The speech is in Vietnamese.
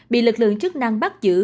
bị lực lượng chức năng bắt giữ